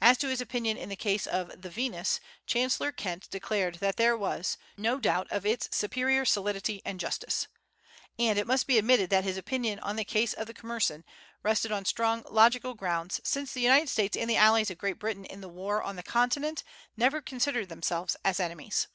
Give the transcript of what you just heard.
As to his opinion in the case of "The Venus," Chancellor Kent declared that there was "no doubt of its superior solidity and justice;" and it must be admitted that his opinion in the case of the "Commercen," rested on strong logical grounds, since the United States and the allies of Great Britain in the war on the Continent never considered themselves as enemies.